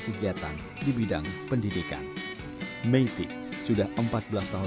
kegiatan di bidang pendidikan menteri sudah empat belas tahun bergabung dengan yayasan